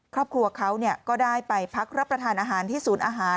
ครอบครัวเขาก็ได้ไปพักรับประทานอาหารที่ศูนย์อาหาร